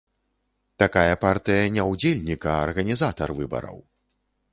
Такая партыя не ўдзельнік, а арганізатар выбараў.